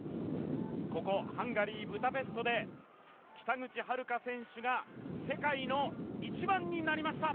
ここハンガリー・ブダペストで北口榛花選手が世界の一番になりました！